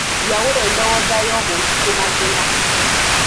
Yawula endowooza y'omuntu ku mazima.